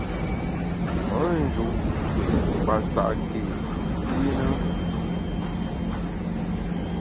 Me nju’ ngbasa’ ke nkîne ?